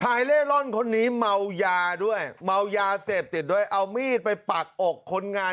เล่ร่อนคนนี้เมายาด้วยเมายาเสพติดด้วยเอามีดไปปักอกคนงาน